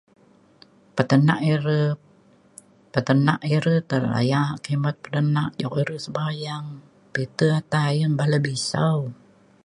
tekenak ire tekenak ire te layak kimet denak cuk ire sebayang pita ayen bala bisau